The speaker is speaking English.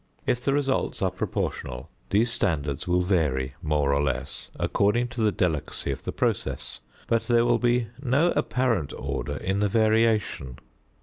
If the results are proportional, these standards will vary more or less, according to the delicacy of the process, but there will be no apparent order in the variation.